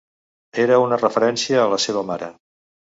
Era una referència a la seva mare.